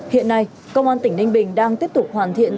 hiện nay công an tỉnh ninh bình đang tiếp tục hoàn thiện